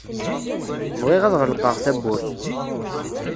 Bɣiɣ ad ɣelqeɣ tawwurt.